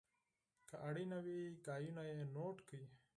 که اړینه وي خبرې یې نوټ کړئ.